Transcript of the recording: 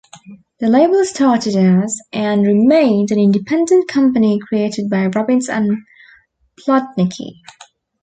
The label started as and remained an independent company created by Robbins and Plotnicki.